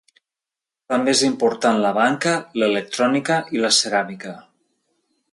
També és important la banca, l'electrònica i la ceràmica.